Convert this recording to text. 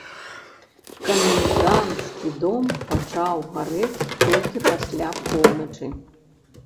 Каменданцкі дом пачаў гарэць толькі пасля поўначы.